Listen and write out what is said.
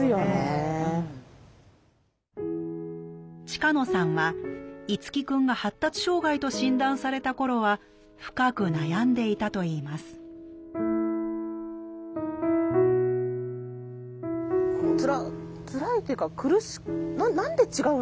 近野さんは樹くんが発達障害と診断された頃は深く悩んでいたと言いますつらいというか苦しい何で違うんだろうとか。